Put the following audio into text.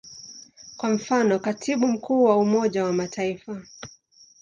Kwa mfano, Katibu Mkuu wa Umoja wa Mataifa.